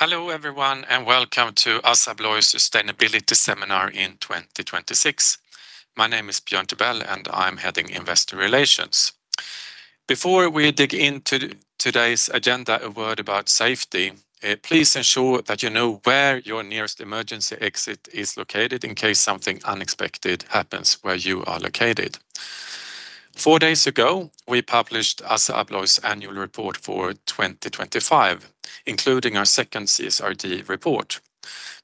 Hello everyone, and welcome to ASSA ABLOY Sustainability Seminar in 2026. My name is Björn Tibell, and I'm Head of Investor Relations. Before we dig into today's agenda, a word about safety. Please ensure that you know where your nearest emergency exit is located in case something unexpected happens where you are located. Four days ago, we published ASSA ABLOY's annual report for 2025, including our second CSRD report.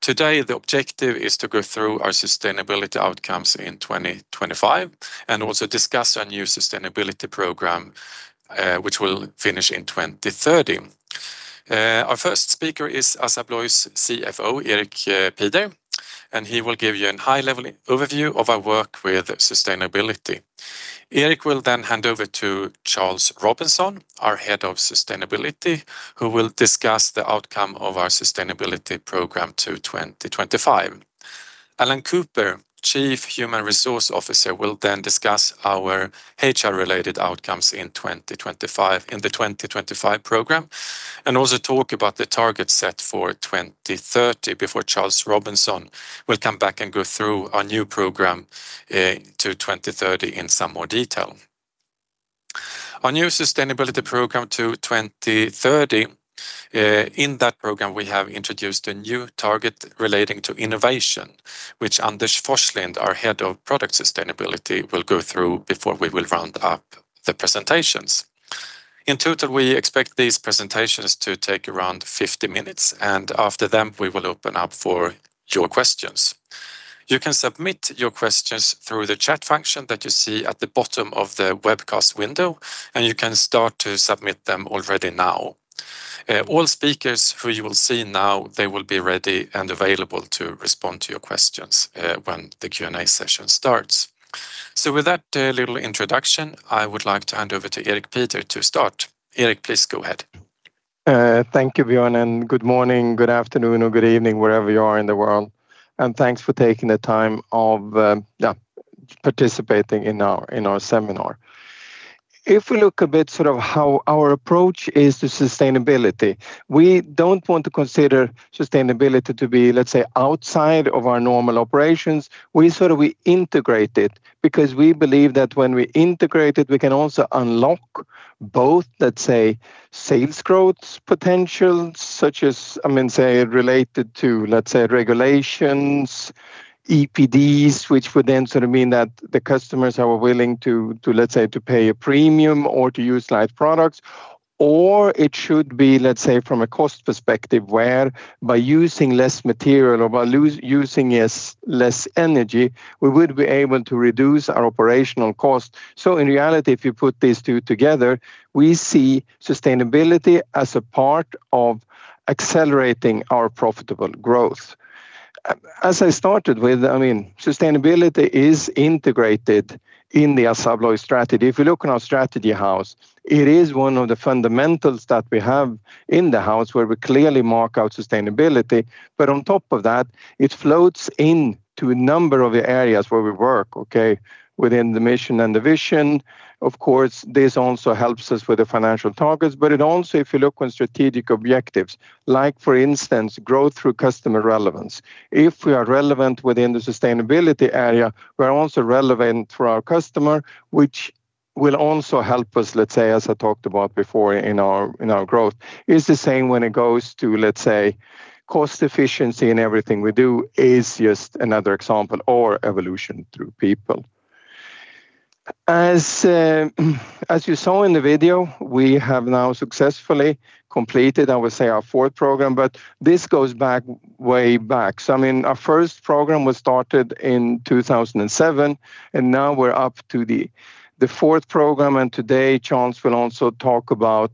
Today, the objective is to go through our sustainability outcomes in 2025, and also discuss our new sustainability program, which will finish in 2030. Our first speaker is ASSA ABLOY's CFO, Erik Pieder, and he will give you a high-level overview of our work with sustainability. Erik will then hand over to Charles Robinson, our Head of Sustainability, who will discuss the outcome of our sustainability program to 2025. Allan Cooper, Chief Human Resources Officer, will then discuss our HR-related outcomes in 2025—in the 2025 program, and also talk about the target set for 2030 before Charles Robinson will come back and go through our new program to 2030 in some more detail. Our new sustainability program to 2030, in that program, we have introduced a new target relating to innovation, which Anders Forslind, our Head of Product Sustainability, will go through before we will round up the presentations. In total, we expect these presentations to take around 50 minutes, and after them, we will open up for your questions. You can submit your questions through the chat function that you see at the bottom of the webcast window, and you can start to submit them already now. All speakers who you will see now, they will be ready and available to respond to your questions, when the Q&A session starts. With that, little introduction, I would like to hand over to Erik Pieder to start. Erik, please go ahead. Thank you, Björn, and good morning, good afternoon or good evening, wherever you are in the world. Thanks for taking the time of participating in our seminar. If we look a bit sort of how our approach is to sustainability, we don't want to consider sustainability to be, let's say, outside of our normal operations. We integrate it because we believe that when we integrate it, we can also unlock both, let's say, sales growth potential, such as, I mean, say, related to, let's say, regulations, EPDs, which would then sort of mean that the customers are willing to let's say to pay a premium or to use light products. It should be, let's say, from a cost perspective, where by using less material or by using less energy, we would be able to reduce our operational cost. In reality, if you put these two together, we see sustainability as a part of accelerating our profitable growth. As I started with, I mean, sustainability is integrated in the ASSA ABLOY strategy. If you look on our strategy house, it is one of the fundamentals that we have in the house where we clearly mark our sustainability, but on top of that, it floats into a number of areas where we work, okay? Within the mission and the vision, of course, this also helps us with the financial targets, but it also, if you look on strategic objectives, like for instance, growth through customer relevance. If we are relevant within the sustainability area, we are also relevant for our customer, which will also help us, let's say, as I talked about before, in our growth. It's the same when it goes to, let's say, cost efficiency in everything we do, is just another example or evolution through people. As you saw in the video, we have now successfully completed, I would say, our fourth program, but this goes back way back. I mean, our first program was started in 2007, and now we're up to the fourth program. Today, Charles will also talk about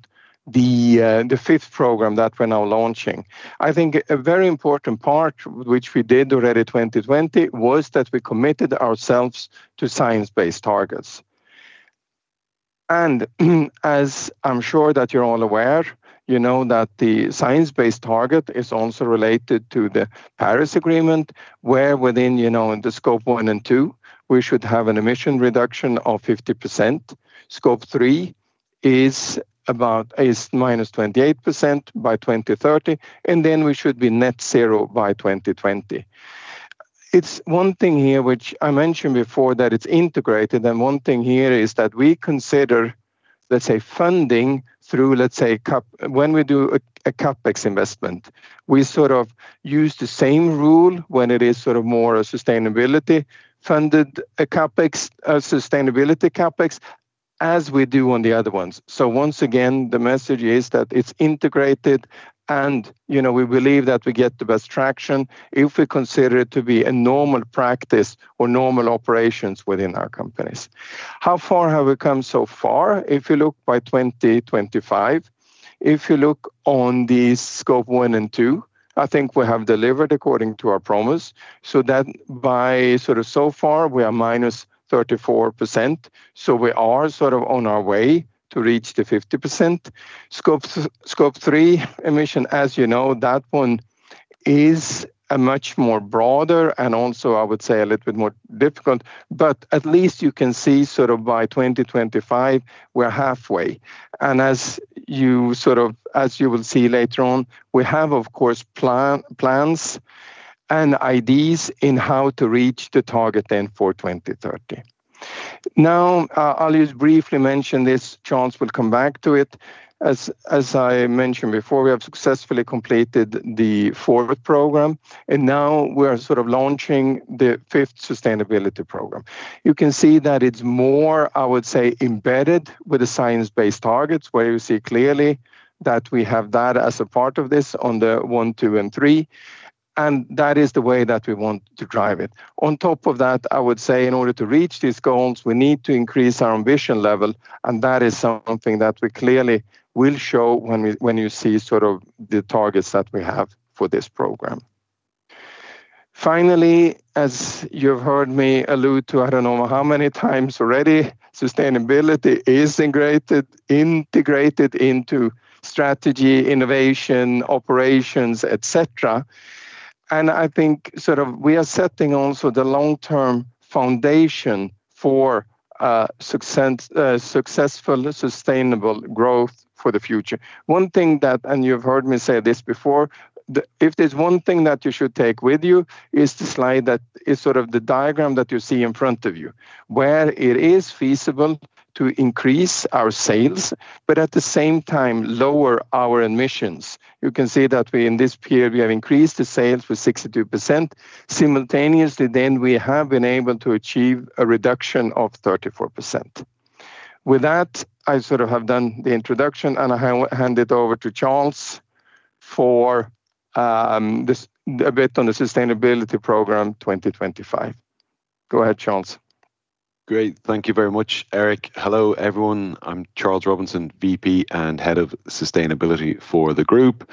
the fifth program that we're now launching. I think a very important part which we did already 2020 was that we committed ourselves to Science Based Targets. I'm sure that you're all aware, you know that the Science Based Target is also related to the Paris Agreement, where within, you know, in the Scope 1 and 2, we should have an emission reduction of 50%. Scope 3 is -28% by 2030, and then we should be net zero by 2020. It's one thing here, which I mentioned before, that it's integrated, and one thing here is that we consider, let's say, funding through, let's say, When we do a CapEx investment, we sort of use the same rule when it is sort of more a sustainability funded CapEx, a sustainability CapEx, as we do on the other ones. Once again, the message is that it's integrated and, you know, we believe that we get the best traction if we consider it to be a normal practice or normal operations within our companies. How far have we come so far? If you look by 2025, if you look on the Scope 1 and 2, I think we have delivered according to our promise. So that by sort of so far, we are -34%, so we are sort of on our way to reach the 50%. Scope 3 emission, as you know, that one is a much more broader, and also I would say a little bit more difficult, but at least you can see sort of by 2025 we're halfway. As you sort of, as you will see later on, we have, of course, plans and ideas in how to reach the target then for 2030. Now, I'll just briefly mention this. Charles will come back to it. As I mentioned before, we have successfully completed the forward program, and now we're sort of launching the fifth sustainability program. You can see that it's more, I would say, embedded with the Science Based Targets, where you see clearly that we have that as a part of this on the one, two, and three, and that is the way that we want to drive it. On top of that, I would say in order to reach these goals, we need to increase our ambition level, and that is something that we clearly will show when we, when you see sort of the targets that we have for this program. Finally, as you've heard me allude to I don't know how many times already, sustainability is integrated into strategy, innovation, operations, et cetera. I think sort of we are setting also the long-term foundation for success, successful sustainable growth for the future. One thing that, and you've heard me say this before, If there's one thing that you should take with you, is the slide that is sort of the diagram that you see in front of you, where it is feasible to increase our sales, but at the same time lower our emissions. You can see that we, in this period, have increased the sales by 62%. Simultaneously then, we have been able to achieve a reduction of 34%. With that, I sort of have done the introduction, and I hand it over to Charles for a bit on the Sustainability Program 2025. Go ahead, Charles. Great. Thank you very much, Erik. Hello, everyone. I'm Charles Robinson, VP and Head of Sustainability for the group.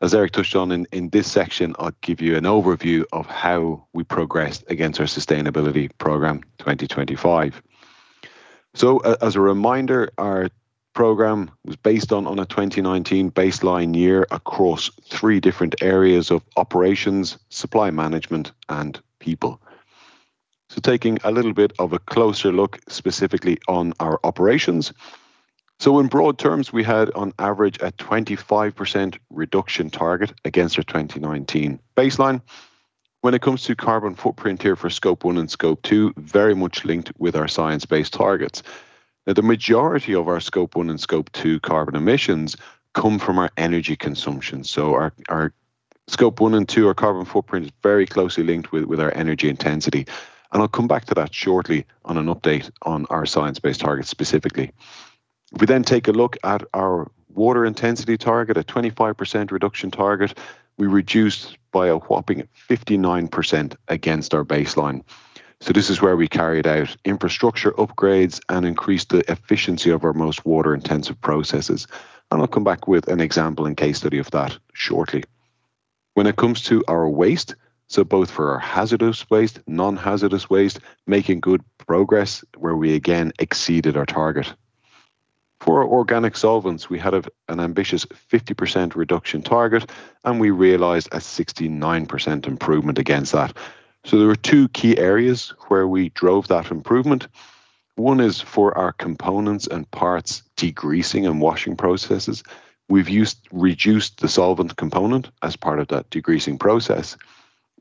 As Erik touched on, in this section, I'll give you an overview of how we progressed against our sustainability program 2025. As a reminder, our program was based on a 2019 baseline year across three different areas of operations, supply management and people. Taking a little bit of a closer look specifically on our operations. In broad terms, we had on average a 25% reduction target against our 2019 baseline. When it comes to carbon footprint here for Scope 1 and Scope 2, very much linked with our Science Based Targets. Now the majority of our Scope 1 and Scope 2 carbon emissions come from our energy consumption. Our Scope 1 and 2 carbon footprint is very closely linked with our energy intensity, and I'll come back to that shortly on an update on our Science Based Targets specifically. We then take a look at our water intensity target, a 25% reduction target we reduced by a whopping 59% against our baseline. This is where we carried out infrastructure upgrades and increased the efficiency of our most water-intensive processes, and I'll come back with an example and case study of that shortly. When it comes to our waste, both for our hazardous waste, non-hazardous waste, making good progress where we again exceeded our target. For organic solvents, we had an ambitious 50% reduction target, and we realized a 69% improvement against that. There were two key areas where we drove that improvement. One is for our components and parts degreasing and washing processes. We've reduced the solvent component as part of that degreasing process.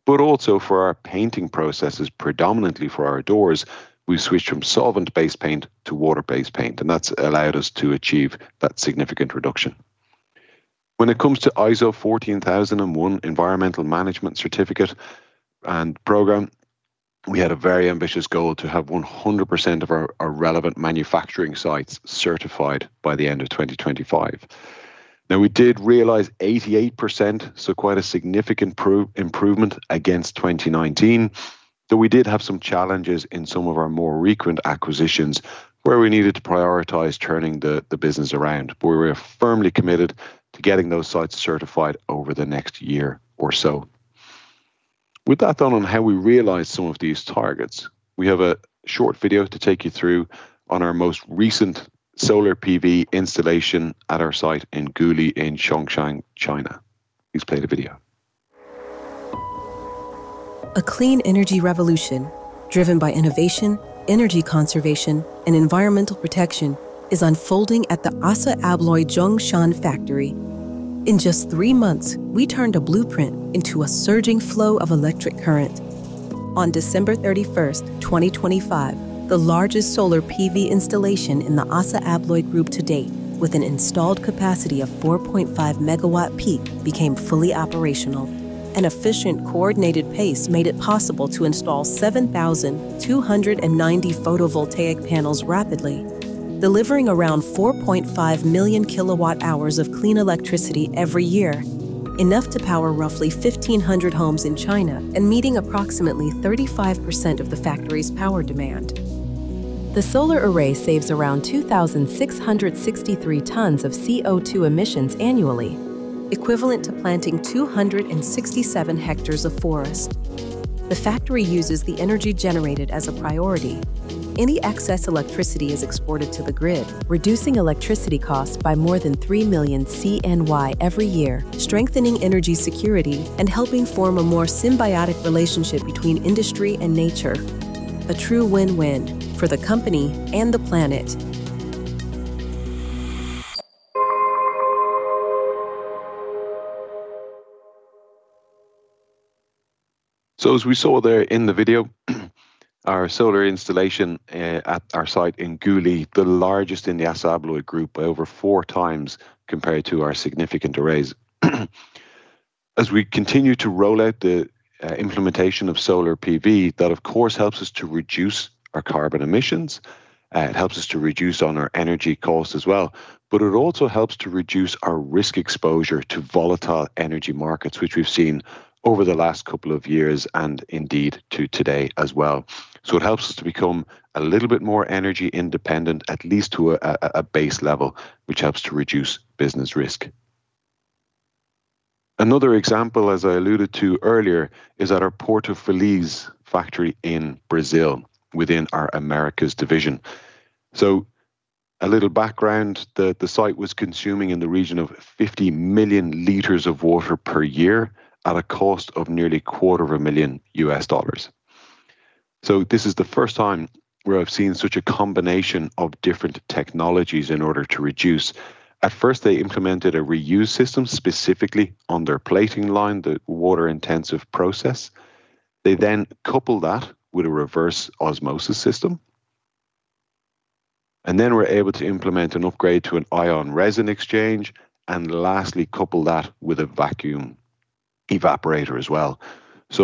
Also for our painting processes, predominantly for our doors, we switched from solvent-based paint to water-based paint, and that's allowed us to achieve that significant reduction. When it comes to ISO 14001 environmental management certificate and program, we had a very ambitious goal to have 100% of our relevant manufacturing sites certified by the end of 2025. Now we did realize 88%, so quite a significant improvement against 2019. Though we did have some challenges in some of our more recent acquisitions where we needed to prioritize turning the business around. We're firmly committed to getting those sites certified over the next year or so. With that done on how we realize some of these targets, we have a short video to take you through on our most recent Solar PV installation at our site in Guli in Zhongshan, China. Please play the video. A clean energy revolution driven by innovation, energy conservation and environmental protection is unfolding at the ASSA ABLOY Zhongshan factory. In just three months, we turned a blueprint into a surging flow of electric current. On December 31st, 2025, the largest solar PV installation in the ASSA ABLOY group to date with an installed capacity of 4.5 MW peak became fully operational. An efficient coordinated pace made it possible to install 7,290 photovoltaic panels rapidly, delivering around 4.5 million kWh of clean electricity every year, enough to power roughly 1,500 homes in China and meeting approximately 35% of the factory's power demand. The solar array saves around 2,663 tons of CO2 emissions annually, equivalent to planting 267 hectares of forest. The factory uses the energy generated as a priority. Any excess electricity is exported to the grid, reducing electricity costs by more than 3 million CNY every year, strengthening energy security, and helping form a more symbiotic relationship between industry and nature. A true win-win for the company and the planet. as we saw there in the video, our solar installation at our site in Guli, the largest in the ASSA ABLOY group by over four times compared to our significant arrays. As we continue to roll out the implementation of solar PV, that of course helps us to reduce our carbon emissions. It helps us to reduce on our energy costs as well. It also helps to reduce our risk exposure to volatile energy markets, which we've seen over the last couple of years and indeed to today as well. It helps us to become a little bit more energy independent, at least to a base level, which helps to reduce business risk. Another example, as I alluded to earlier, is at our Porto Feliz factory in Brazil within our Americas Division. A little background, the site was consuming in the region of 50 million liters of water per year at a cost of nearly $250. This is the first time where I've seen such a combination of different technologies in order to reduce. At first, they implemented a reuse system specifically on their plating line, the water intensive process. They then coupled that with a reverse osmosis system. Then were able to implement an upgrade to an ion-exchange resin. Lastly, couple that with a vacuum evaporator as well.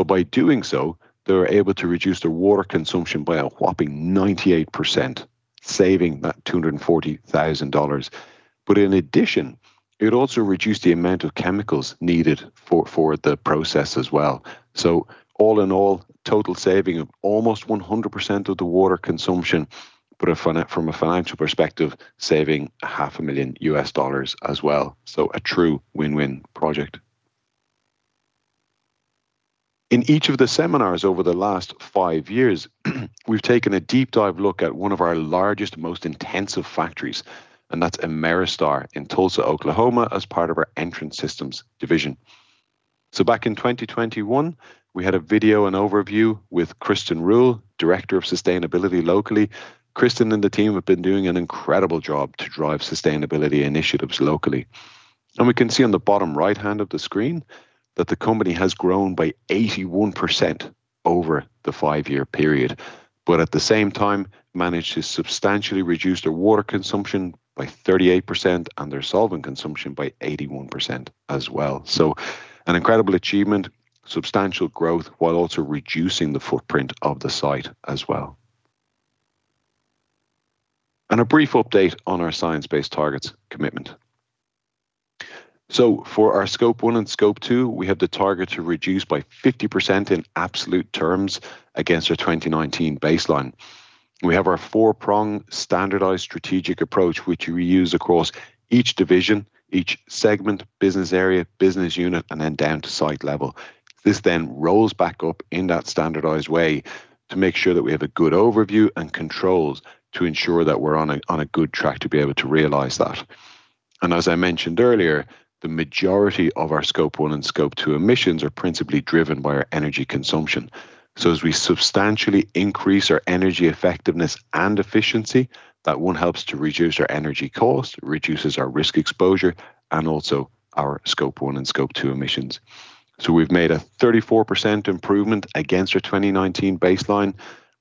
By doing so, they were able to reduce their water consumption by a whopping 98%, saving that $240,000. In addition, it also reduced the amount of chemicals needed for the process as well. All in all, total saving of almost 100% of the water consumption. From a financial perspective, saving $500 as well. A true win-win project. In each of the seminars over the last five years, we've taken a deep dive look at one of our largest, most intensive factories. That's Ameristar in Tulsa, Oklahoma, as part of our Entrance Systems division. Back in 2021, we had a video and overview with Kristin Ruyle, director of sustainability locally. Kristin Ruyle and the team have been doing an incredible job to drive sustainability initiatives locally. We can see on the bottom right hand of the screen that the company has grown by 81% over the five-year period. At the same time, managed to substantially reduce their water consumption by 38% and their solvent consumption by 81% as well. An incredible achievement, substantial growth, while also reducing the footprint of the site as well. A brief update on our Science Based Targets commitment. For our Scope 1 and Scope 2, we have the target to reduce by 50% in absolute terms against our 2019 baseline. We have our four-pronged standardized strategic approach, which we use across each division, each segment, business area, business unit, and then down to site level. This then rolls back up in that standardized way to make sure that we have a good overview and controls to ensure that we're on a good track to be able to realize that. As I mentioned earlier, the majority of our Scope 1 and Scope 2 emissions are principally driven by our energy consumption. As we substantially increase our energy effectiveness and efficiency, that one helps to reduce our energy cost, reduces our risk exposure, and also our Scope 1 and Scope 2 emissions. We've made a 34% improvement against our 2019 baseline.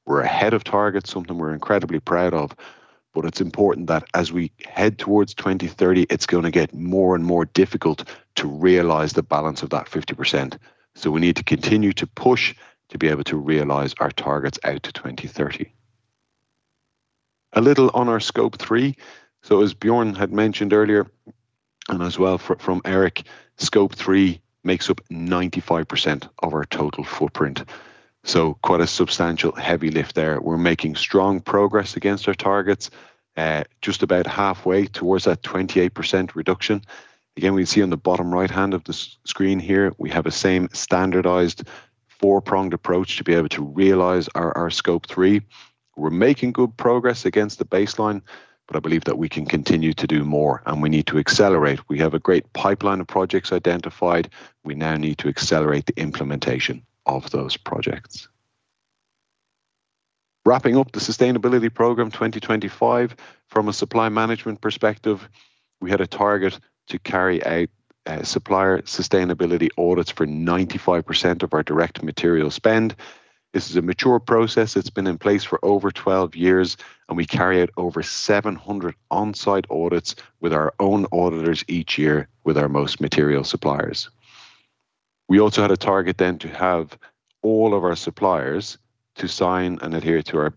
We're ahead of target, something we're incredibly proud of. It's important that as we head towards 2030, it's going to get more and more difficult to realize the balance of that 50%. We need to continue to push to be able to realize our targets out to 2030. A little on our scope three. As Björn had mentioned earlier, and as well from Erik, scope three makes up 95% of our total footprint. Quite a substantial heavy lift there. We're making strong progress against our targets, just about halfway towards that 28% reduction. Again, we see on the bottom right hand of the screen here, we have the same standardized four-pronged approach to be able to realize our scope three. We're making good progress against the baseline, but I believe that we can continue to do more and we need to accelerate. We have a great pipeline of projects identified. We now need to accelerate the implementation of those projects. Wrapping up the sustainability program 2025, from a supply management perspective, we had a target to carry out supplier sustainability audits for 95% of our direct material spend. This is a mature process. It's been in place for over 12 years, and we carry out over 700 onsite audits with our own auditors each year with our most material suppliers. We also had a target then to have all of our suppliers to sign and adhere to our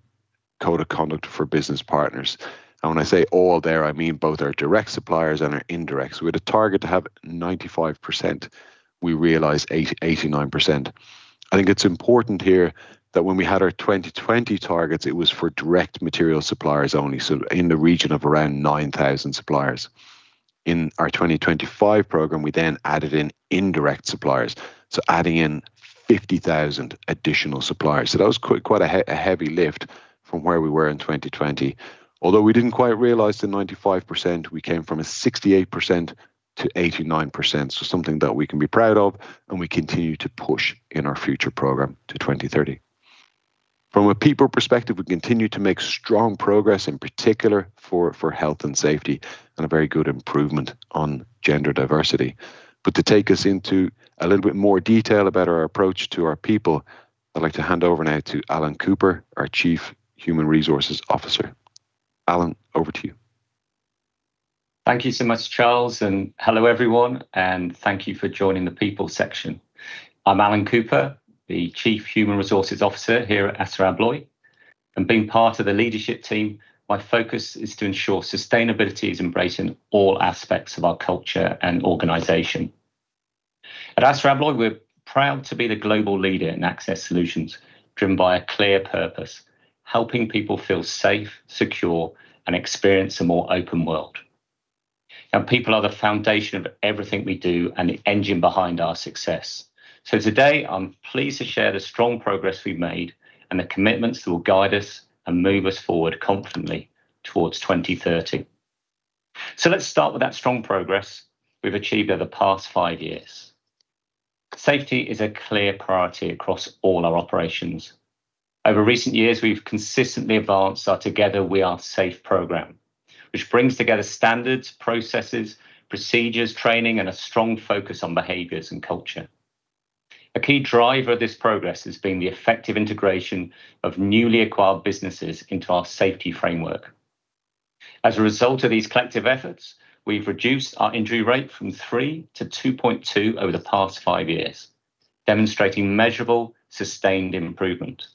code of conduct for business partners. When I say all there, I mean both our direct suppliers and our indirects. We had a target to have 95%. We realized 89%. I think it's important here that when we had our 2020 targets, it was for direct material suppliers only. In the region of around 9,000 suppliers. In our 2025 program, we then added in indirect suppliers, so adding in 50,000 additional suppliers. That was quite a heavy lift from where we were in 2020. Although we didn't quite realize the 95%, we came from a 68%-89%, so something that we can be proud of, and we continue to push in our future program to 2030. From a people perspective, we continue to make strong progress, in particular for health and safety, and a very good improvement on gender diversity. To take us into a little bit more detail about our approach to our people, I'd like to hand over now to Allan Cooper, our Chief Human Resources Officer. Allan, over to you. Thank you so much, Charles, and hello everyone, and thank you for joining the people section. I'm Allan Cooper, the Chief Human Resources Officer here at ASSA ABLOY. Being part of the leadership team, my focus is to ensure sustainability is embraced in all aspects of our culture and organization. At ASSA ABLOY, we're proud to be the global leader in access solutions, driven by a clear purpose: helping people feel safe, secure, and experience a more open world. Now, people are the foundation of everything we do and the engine behind our success. Today I'm pleased to share the strong progress we've made and the commitments that will guide us and move us forward confidently towards 2030. Let's start with that strong progress we've achieved over the past five years. Safety is a clear priority across all our operations. Over recent years, we've consistently advanced our Together We Are Safe program, which brings together standards, processes, procedures, training, and a strong focus on behaviors and culture. A key driver of this progress has been the effective integration of newly acquired businesses into our safety framework. As a result of these collective efforts, we've reduced our injury rate from three to 2.2 over the past five years, demonstrating measurable, sustained improvement.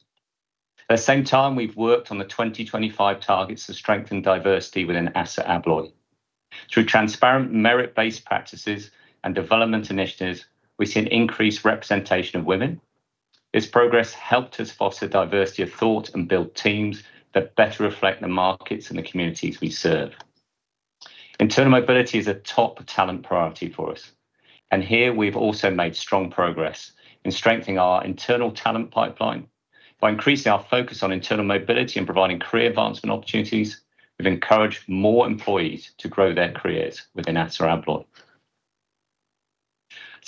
At the same time, we've worked on the 2025 targets to strengthen diversity within ASSA ABLOY. Through transparent merit-based practices and development initiatives, we've seen increased representation of women. This progress helped us foster diversity of thought and build teams that better reflect the markets and the communities we serve. Internal mobility is a top talent priority for us, and here we've also made strong progress in strengthening our internal talent pipeline. By increasing our focus on internal mobility and providing career advancement opportunities, we've encouraged more employees to grow their careers within ASSA ABLOY.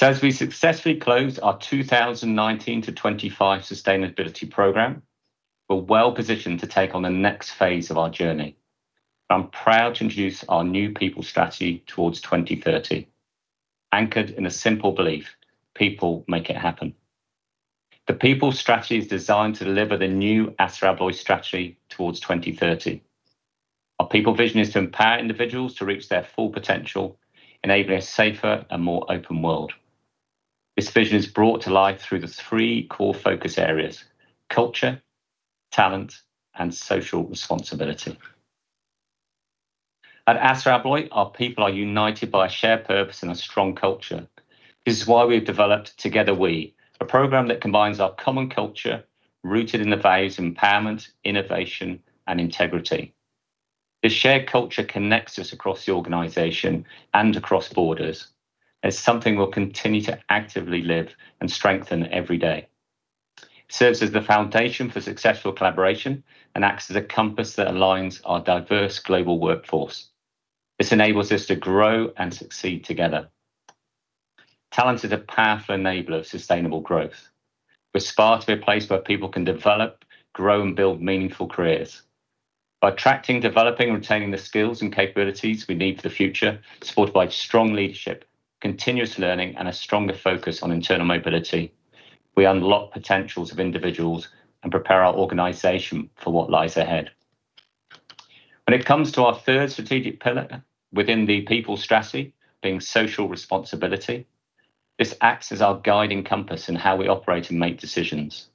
As we successfully close our 2019-2025 sustainability program, we're well-positioned to take on the next phase of our journey. I'm proud to introduce our new people strategy towards 2030. Anchored in a simple belief, people make it happen. The people strategy is designed to deliver the new ASSA ABLOY strategy towards 2030. Our people vision is to empower individuals to reach their full potential, enabling a safer and more open world. This vision is brought to life through the three core focus areas. Culture, talent, and social responsibility. At ASSA ABLOY, our people are united by a shared purpose and a strong culture. This is why we've developed Together We, a program that combines our common culture rooted in the values of empowerment, innovation, and integrity. This shared culture connects us across the organization and across borders as something we'll continue to actively live and strengthen every day. It serves as the foundation for successful collaboration and acts as a compass that aligns our diverse global workforce. This enables us to grow and succeed together. Talent is a powerful enabler of sustainable growth. We aspire to be a place where people can develop, grow, and build meaningful careers. By attracting, developing, and retaining the skills and capabilities we need for the future, supported by strong leadership, continuous learning, and a stronger focus on internal mobility, we unlock potentials of individuals and prepare our organization for what lies ahead. When it comes to our third strategic pillar within the people strategy, being social responsibility, this acts as our guiding compass in how we operate and make decisions.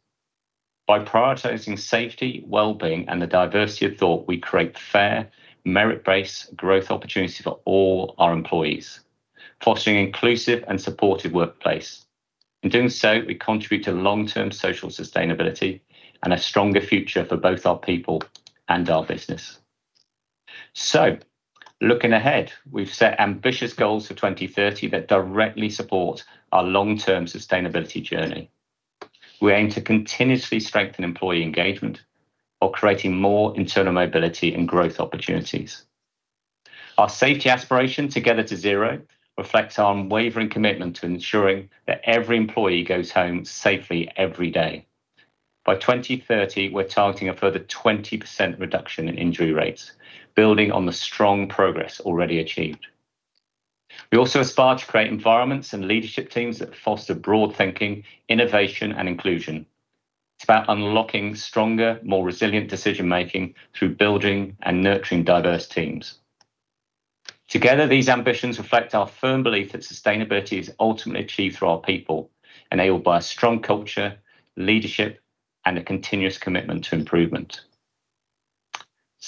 By prioritizing safety, well-being, and the diversity of thought, we create fair, merit-based growth opportunities for all our employees, fostering inclusive and supportive workplace. In doing so, we contribute to long-term social sustainability and a stronger future for both our people and our business. Looking ahead, we've set ambitious goals for 2030 that directly support our long-term sustainability journey. We aim to continuously strengthen employee engagement while creating more internal mobility and growth opportunities. Our safety aspiration, Together to Zero, reflects our unwavering commitment to ensuring that every employee goes home safely every day. By 2030, we're targeting a further 20% reduction in injury rates, building on the strong progress already achieved. We also aspire to create environments and leadership teams that foster broad thinking, innovation, and inclusion. It's about unlocking stronger, more resilient decision-making through building and nurturing diverse teams. Together, these ambitions reflect our firm belief that sustainability is ultimately achieved through our people, enabled by a strong culture, leadership, and a continuous commitment to improvement.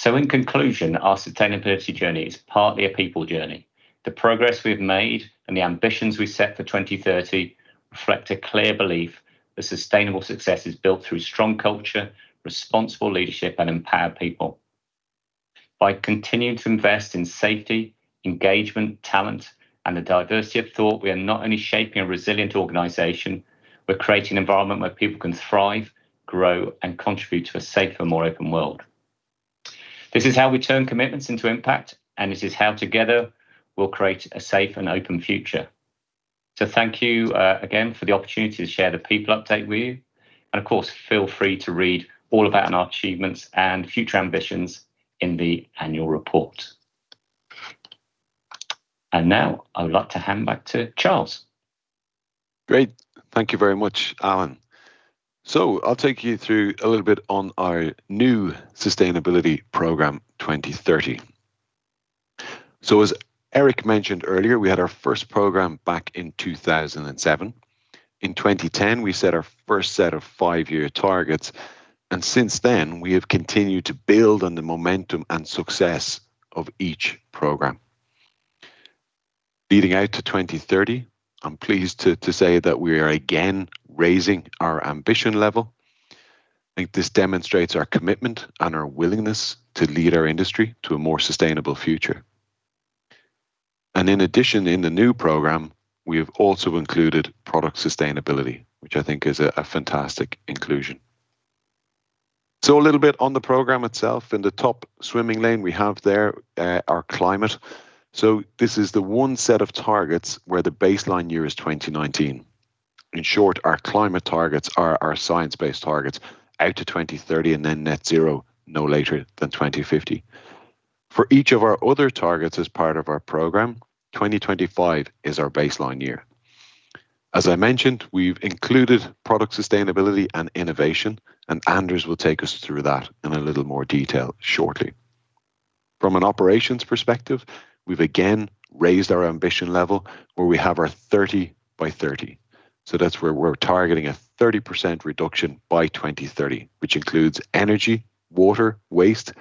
In conclusion, our sustainability journey is partly a people journey. The progress we've made and the ambitions we set for 2030. Reflect a clear belief that sustainable success is built through strong culture, responsible leadership, and empowered people. By continuing to invest in safety, engagement, talent, and the diversity of thought, we are not only shaping a resilient organization, we're creating an environment where people can thrive, grow, and contribute to a safer, more open world. This is how we turn commitments into impact, and this is how together we'll create a safe and open future. Thank you again for the opportunity to share the people update with you. Of course, feel free to read all about our achievements and future ambitions in the annual report. Now I would like to hand back to Charles. Great. Thank you very much, Allan. I'll take you through a little bit on our new sustainability program, 2030. As Erik mentioned earlier, we had our first program back in 2007. In 2010, we set our first set of five-year targets, and since then, we have continued to build on the momentum and success of each program. Leading out to 2030, I'm pleased to say that we are again raising our ambition level. I think this demonstrates our commitment and our willingness to lead our industry to a more sustainable future. In addition, in the new program, we have also included product sustainability, which I think is a fantastic inclusion. A little bit on the program itself. In the top swimming lane, we have there our climate. This is the one set of targets where the baseline year is 2019. In short, our climate targets are our Science Based Targets out to 2030 and then net zero no later than 2050. For each of our other targets as part of our program, 2025 is our baseline year. As I mentioned, we've included product sustainability and innovation, and Anders will take us through that in a little more detail shortly. From an operations perspective, we've again raised our ambition level where we have our 30 by 30. That's where we're targeting a 30% reduction by 2030, which includes energy, water, waste,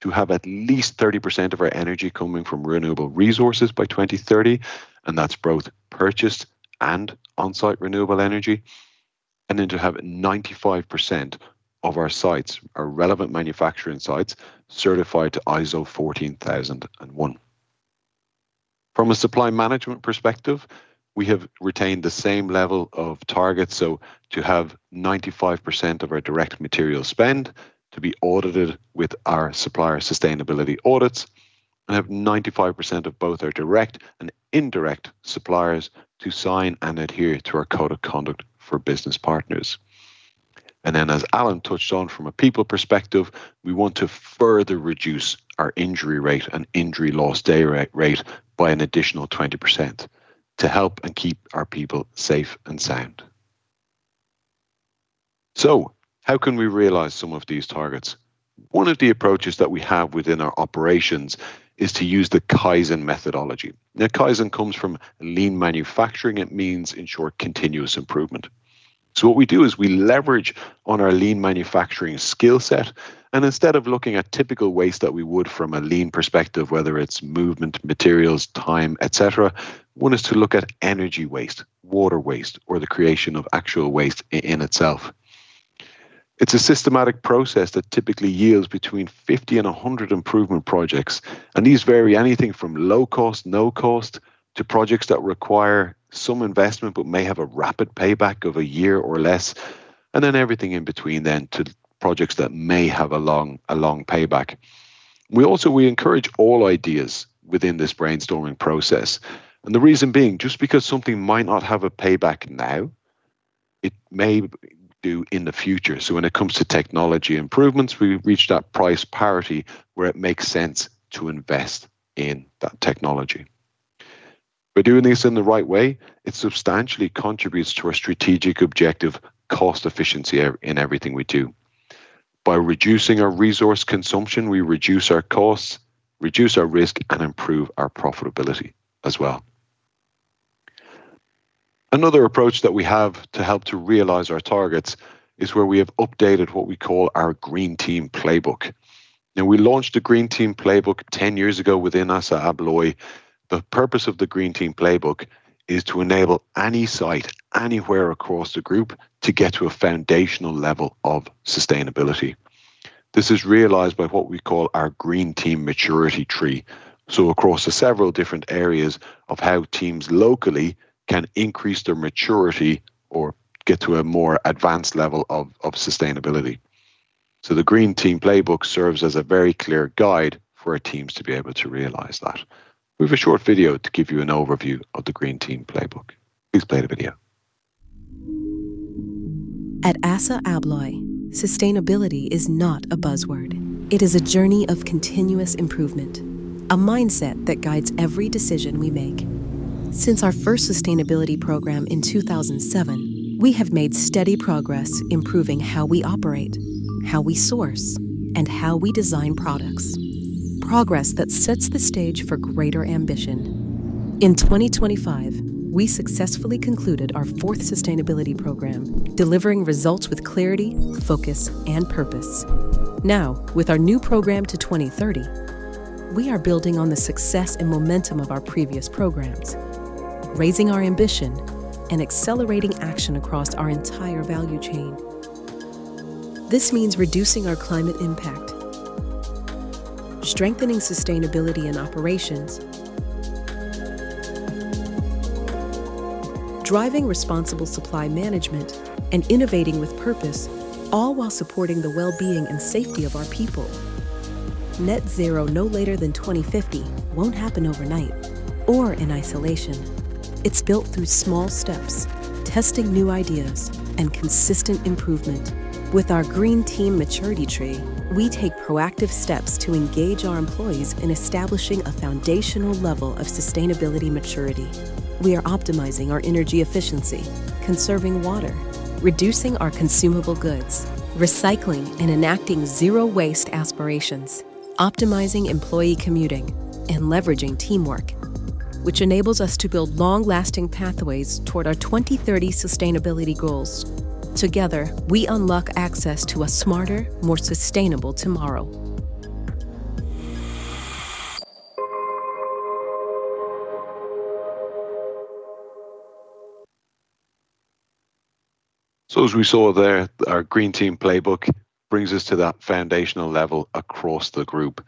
to have at least 30% of our energy coming from renewable resources by 2030, and that's both purchased and on-site renewable energy. To have 95% of our sites, our relevant manufacturing sites, certified to ISO 14001. From a supply management perspective, we have retained the same level of targets, so to have 95% of our direct material spend to be audited with our supplier sustainability audits and have 95% of both our direct and indirect suppliers to sign and adhere to our code of conduct for business partners. As Allan touched on from a people perspective, we want to further reduce our injury rate and injury lost-day rate by an additional 20% to help and keep our people safe and sound. How can we realize some of these targets? One of the approaches that we have within our operations is to use the Kaizen methodology. Now, Kaizen comes from lean manufacturing. It means, in short, continuous improvement. What we do is we leverage on our lean manufacturing skill set, and instead of looking at typical waste that we would from a lean perspective, whether it's movement, materials, time, et cetera, we want to look at energy waste, water waste, or the creation of actual waste in itself. It's a systematic process that typically yields between 50 and 100 improvement projects, and these vary anywhere from low cost, no cost, to projects that require some investment but may have a rapid payback of a year or less, and then everything in between, then to projects that may have a long payback. We also encourage all ideas within this brainstorming process. The reason being, just because something might not have a payback now, it may do in the future. When it comes to technology improvements, we reach that price parity where it makes sense to invest in that technology. By doing this in the right way, it substantially contributes to our strategic objective, cost efficiency in everything we do. By reducing our resource consumption, we reduce our costs, reduce our risk, and improve our profitability as well. Another approach that we have to help to realize our targets is where we have updated what we call our Green Team Playbook. Now, we launched the Green Team Playbook 10 years ago within ASSA ABLOY. The purpose of the Green Team Playbook is to enable any site, anywhere across the group to get to a foundational level of sustainability. This is realized by what we call our Green Team Maturity Tree. Across the several different areas of how teams locally can increase their maturity or get to a more advanced level of sustainability. The Green Team Playbook serves as a very clear guide for our teams to be able to realize that. We have a short video to give you an overview of the Green Team Playbook. Please play the video. At ASSA ABLOY, sustainability is not a buzzword. It is a journey of continuous improvement, a mindset that guides every decision we make. Since our first sustainability program in 2007, we have made steady progress improving how we operate, how we source, and how we design products. Progress that sets the stage for greater ambition. In 2025, we successfully concluded our fourth sustainability program, delivering results with clarity, focus, and purpose. Now, with our new program to 2030. We are building on the success and momentum of our previous programs, raising our ambition, and accelerating action across our entire value chain. This means reducing our climate impact, strengthening sustainability and operations, driving responsible supply management, and innovating with purpose, all while supporting the well-being and safety of our people. net zero, no later than 2050, won't happen overnight or in isolation. It's built through small steps, testing new ideas, and consistent improvement. With our Green Team Maturity Tree, we take proactive steps to engage our employees in establishing a foundational level of sustainability maturity. We are optimizing our energy efficiency, conserving water, reducing our consumable goods, recycling, and enacting zero waste aspirations, optimizing employee commuting, and leveraging teamwork, which enables us to build long-lasting pathways toward our 2030 sustainability goals. Together, we unlock access to a smarter, more sustainable tomorrow. As we saw there, our Green Team Playbook brings us to that foundational level across the group.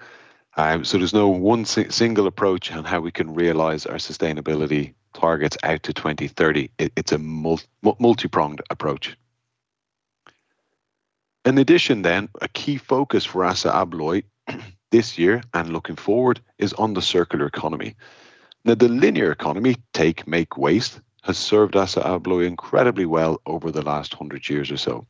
There's no one single approach on how we can realize our sustainability targets out to 2030. It's a multi-pronged approach. In addition, a key focus for ASSA ABLOY this year and looking forward, is on the Circular Economy. Now, the linear economy, take, make, waste, has served ASSA ABLOY incredibly well over the last 100 years or so.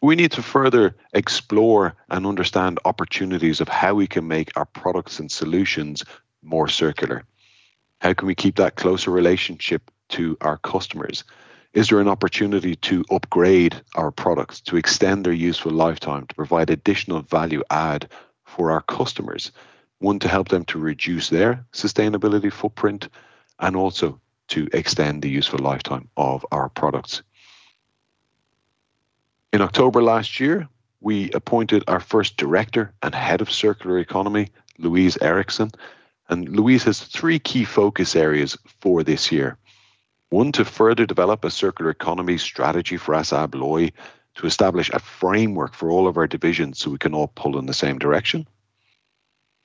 We need to further explore and understand opportunities of how we can make our products and solutions more circular. How can we keep that closer relationship to our customers? Is there an opportunity to upgrade our products, to extend their useful lifetime, to provide additional value add for our customers? One, to help them to reduce their sustainability footprint, and also to extend the useful lifetime of our products. In October last year, we appointed our first Director and Head of Circular Economy, Louise Eriksson. Louise has three key focus areas for this year. One, to further develop a circular economy strategy for ASSA ABLOY to establish a framework for all of our divisions so we can all pull in the same direction.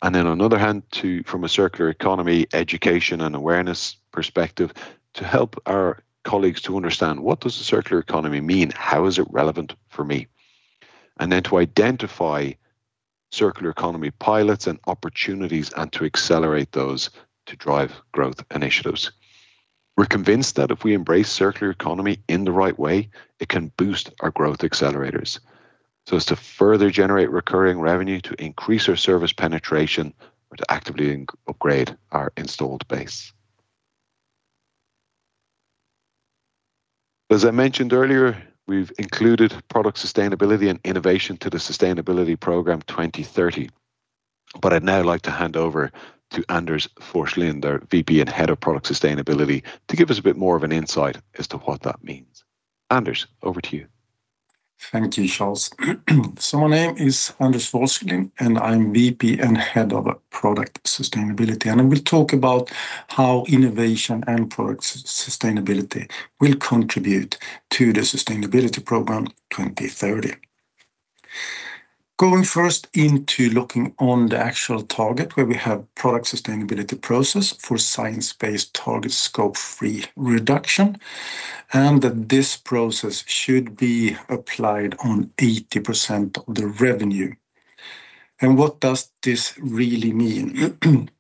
On the other hand, from a circular economy education and awareness perspective, to help our colleagues to understand what does the circular economy mean? How is it relevant for me? To identify circular economy pilots and opportunities, and to accelerate those to drive growth initiatives. We're convinced that if we embrace circular economy in the right way, it can boost our growth accelerators. It's to further generate recurring revenue, to increase our service penetration, or to actively upgrade our installed base. As I mentioned earlier, we've included product sustainability and innovation to the sustainability program 2030. I'd now like to hand over to Anders Forslind, our VP and Head of Product Sustainability, to give us a bit more of an insight as to what that means. Anders, over to you. Thank you, Charles. My name is Anders Forslind, and I'm VP and Head of Product Sustainability, and I will talk about how innovation and product sustainability will contribute to the sustainability program 2030. Going first into looking on the actual target where we have product sustainability process for Science Based Targets Scope 3 reduction, and that this process should be applied on 80% of the revenue. What does this really mean?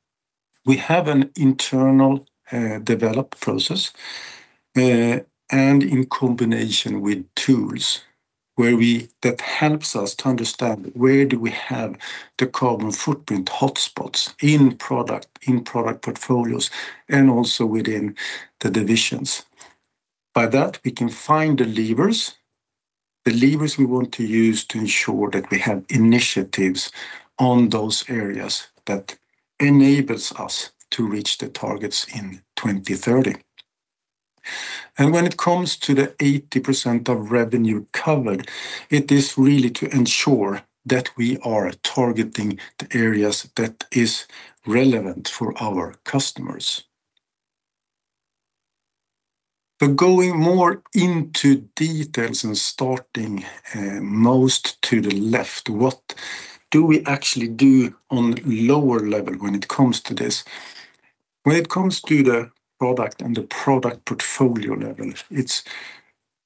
We have an internal developed process, and in combination with tools that helps us to understand where do we have the carbon footprint hotspots in product portfolios, and also within the divisions. By that, we can find the levers we want to use to ensure that we have initiatives on those areas that enables us to reach the targets in 2030. When it comes to the 80% of revenue covered, it is really to ensure that we are targeting the areas that is relevant for our customers. Going more into details and starting most to the left, what do we actually do on lower level when it comes to this? When it comes to the product and the product portfolio level, it's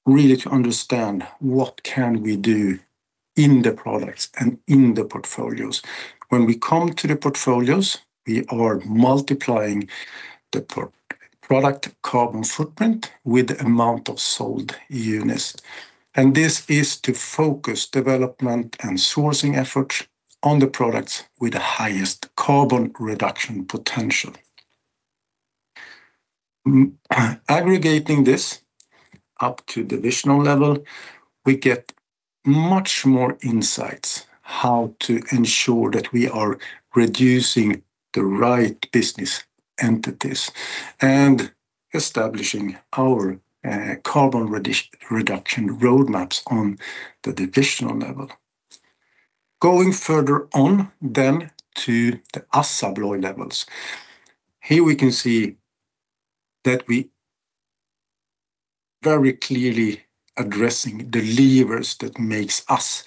really to understand what can we do in the products and in the portfolios. When we come to the portfolios, we are multiplying the per-product carbon footprint with the amount of sold units, and this is to focus development and sourcing efforts on the products with the highest carbon reduction potential. Aggregating this up to divisional level, we get much more insights how to ensure that we are reducing the right business entities. Establishing our carbon reduction roadmaps on the divisional level. Going further on then to the ASSA ABLOY levels. Here we can see that we very clearly addressing the levers that makes us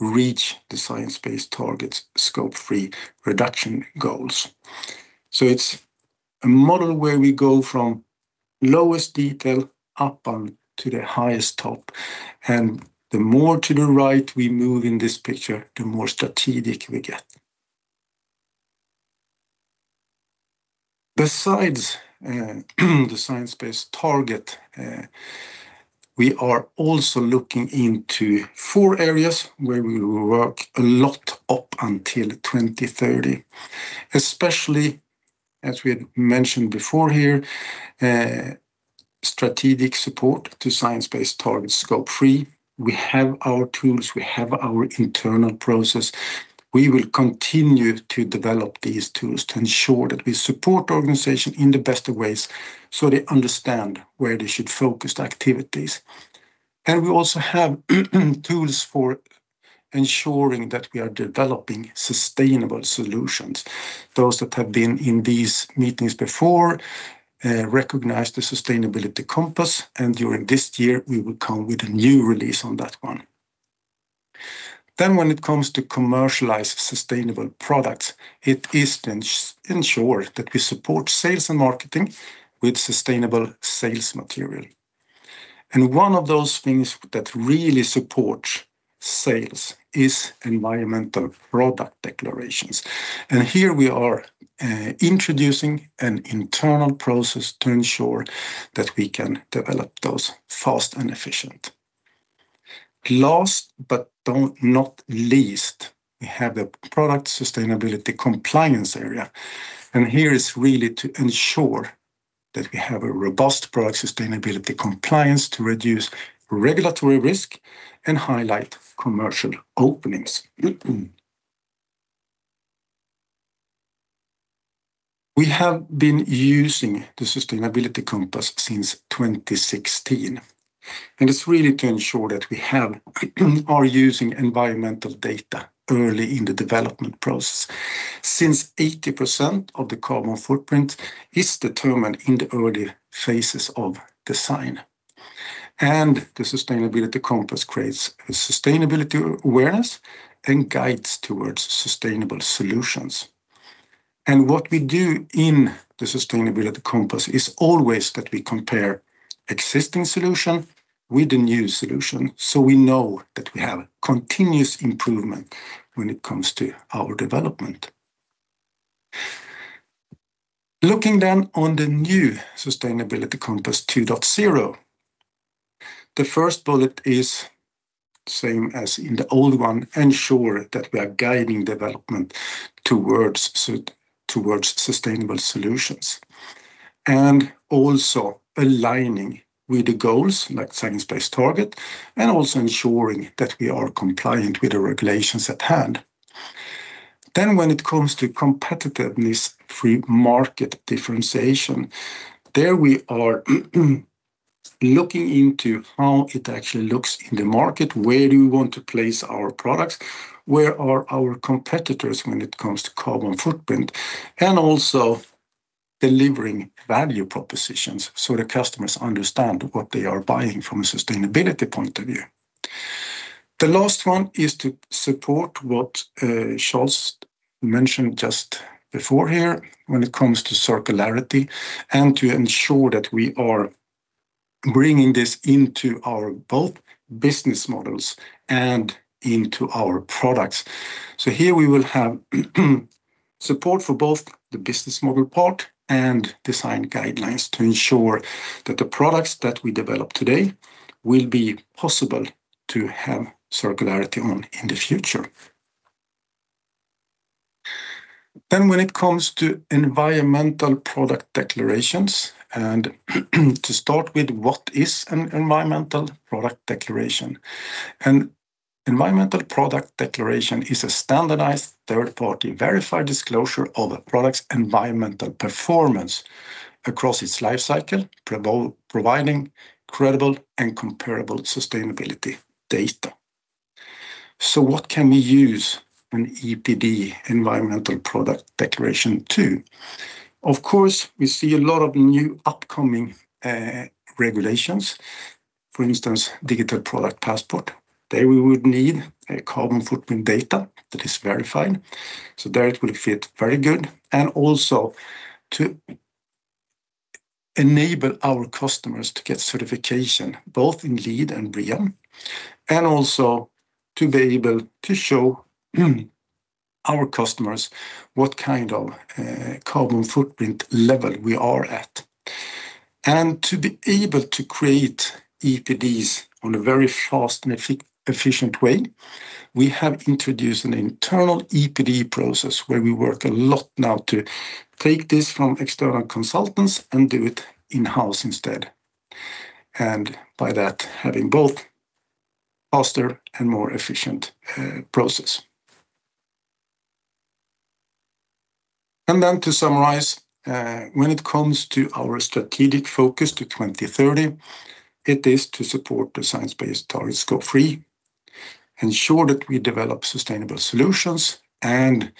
reach the Science Based Targets, Scope 3 reduction goals. It's a model where we go from lowest detail up on to the highest top, and the more to the right we move in this picture, the more strategic we get. Besides, the Science Based Target, we are also looking into four areas where we will work a lot up until 2030. Especially, as we had mentioned before here, strategic support to Science Based Targets Scope 3. We have our tools, we have our internal process. We will continue to develop these tools to ensure that we support the organization in the best of ways, so they understand where they should focus the activities. We also have tools for ensuring that we are developing sustainable solutions. Those that have been in these meetings before recognize the Sustainability Compass, and during this year, we will come with a new release on that one. When it comes to commercialize sustainable products, it is to ensure that we support sales and marketing with sustainable sales material. One of those things that really support sales is environmental product declarations. Here we are introducing an internal process to ensure that we can develop those fast and efficient. Last but not least, we have the product sustainability compliance area. Here is really to ensure that we have a robust product sustainability compliance to reduce regulatory risk and highlight commercial openings. We have been using the Sustainability Compass since 2016, and it's really to ensure that we are using environmental data early in the development process since 80% of the carbon footprint is determined in the early phases of design. The Sustainability Compass creates a sustainability awareness and guides towards sustainable solutions. What we do in the Sustainability Compass is always that we compare existing solution with the new solution, so we know that we have continuous improvement when it comes to our development. Looking on the new Sustainability Compass 2.0. The first bullet is same as in the old one, ensure that we are guiding development towards sustainable solutions, and also aligning with the goals, like Science Based Target, and also ensuring that we are compliant with the regulations at hand. When it comes to competitiveness free market differentiation, there we are looking into how it actually looks in the market. Where do we want to place our products? Where are our competitors when it comes to carbon footprint? Also delivering value propositions, so the customers understand what they are buying from a sustainability point of view. The last one is to support what Charles mentioned just before here when it comes to circularity and to ensure that we are bringing this into our both business models and into our products. Here we will have support for both the business model part and design guidelines to ensure that the products that we develop today will be possible to have circularity on in the future. When it comes to environmental product declarations and to start with, what is an environmental product declaration? An environmental product declaration is a standardized third-party verified disclosure of a product's environmental performance across its life cycle, providing credible and comparable sustainability data. What can we use an EPD, environmental product declaration to? Of course, we see a lot of new upcoming regulations. For instance, Digital Product Passport. There we would need a carbon footprint data that is verified. There it will fit very good and also to enable our customers to get certification both in LEED and BREEAM, and also to be able to show our customers what kind of carbon footprint level we are at. To be able to create EPDs on a very fast and efficient way, we have introduced an internal EPD process where we work a lot now to take this from external consultants and do it in-house instead, and by that, having both faster and more efficient process. To summarize, when it comes to our strategic focus to 2030, it is to support the Science Based Target Scope 3, ensure that we develop sustainable solutions, and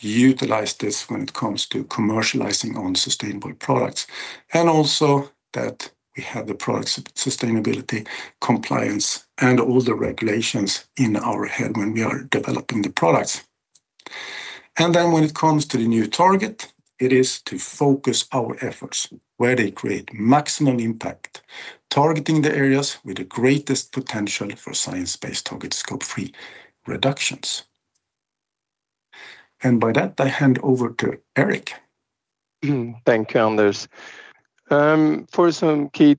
utilize this when it comes to commercializing on sustainable products. That we have the product sustainability, compliance, and all the regulations in our head when we are developing the products. When it comes to the new target, it is to focus our efforts where they create maximum impact, targeting the areas with the greatest potential for Science Based Target Scope 3 reductions. By that, I hand over to Erik. Thank you, Anders. For some key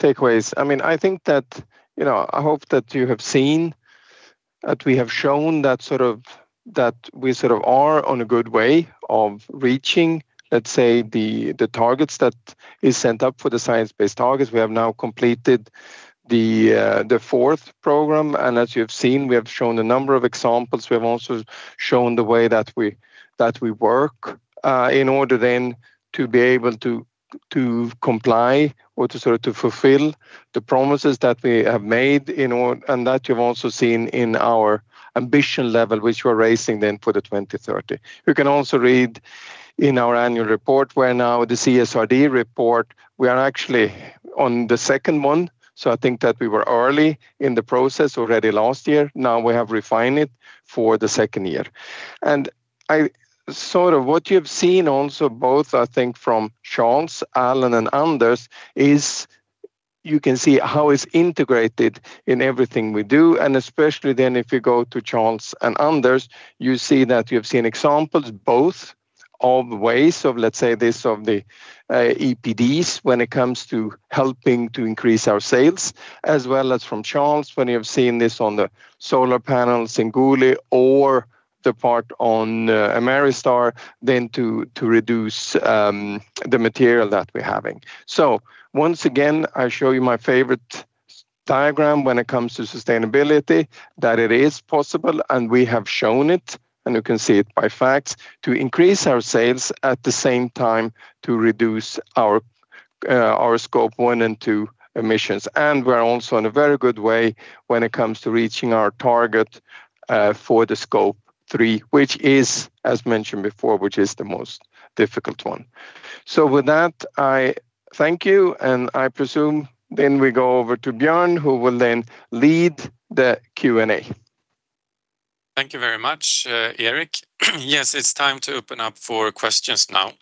takeaways, I mean, I think that, you know, I hope that you have seen that we have shown that sort of that we sort of are on a good way of reaching, let's say, the targets that is set up for the Science Based Targets. We have now completed the fourth program, and as you have seen, we have shown a number of examples. We have also shown the way that we work in order then to be able to comply or to sort of fulfill the promises that we have made in all. That you've also seen in our ambition level, which we're raising then for 2030. You can also read in our annual report where now the CSRD report, we are actually on the second one. I think that we were early in the process already last year. Now we have refined it for the second year. Sort of what you've seen also both, I think, from Charles, Allan, and Anders is you can see how it's integrated in everything we do. Especially then if you go to Charles and Anders, you see that you have seen examples both of ways of, let's say, the EPDs when it comes to helping to increase our sales, as well as from Charles when you have seen this on the solar panels in Guli or the part on Ameristar then to reduce the material that we're having. Once again, I show you my favorite diagram when it comes to sustainability, that it is possible, and we have shown it, and you can see it by facts, to increase our sales at the same time to reduce our Scope 1 and 2 emissions. We're also in a very good way when it comes to reaching our target for the Scope 3, which is, as mentioned before, which is the most difficult one. With that, I thank you, and I presume then we go over to Björn, who will then lead the Q&A. Thank you very much, Erik. Yes, it's time to open up for questions now.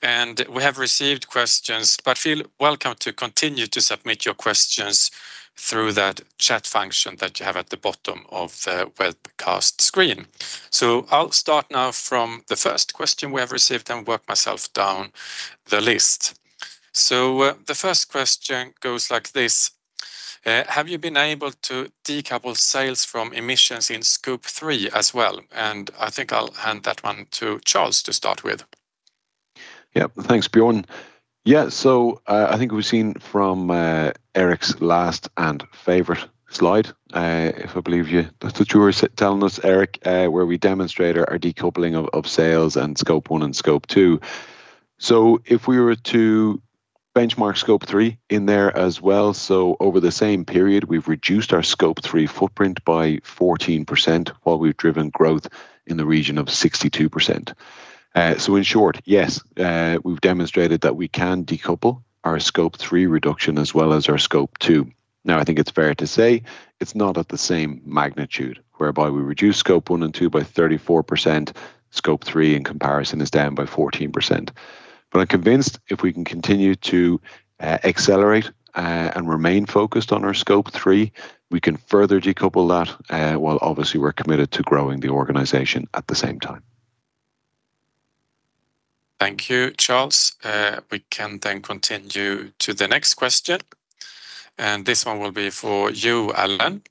We have received questions, but feel welcome to continue to submit your questions through that chat function that you have at the bottom of the webcast screen. I'll start now from the first question we have received and work myself down the list. The first question goes like this, "Have you been able to decouple sales from emissions in Scope 3 as well?" I think I'll hand that one to Charles to start with. Thanks, Björn. I think we've seen from Erik's last and favorite slide, if I believe you, that's what you were telling us, Erik, where we demonstrate our decoupling of sales and Scope 1 and Scope 2. If we were to benchmark Scope 3 in there as well, over the same period, we've reduced our Scope 3 footprint by 14%, while we've driven growth in the region of 62%. In short, yes, we've demonstrated that we can decouple our Scope 3 reduction as well as our Scope 2. I think it's fair to say it's not at the same magnitude, whereby we reduce Scope 1 and 2 by 34%, Scope 3 in comparison is down by 14%. I'm convinced if we can continue to accelerate and remain focused on our Scope 3, we can further decouple that while obviously we're committed to growing the organization at the same time. Thank you, Charles. We can then continue to the next question, and this one will be for you, Allan.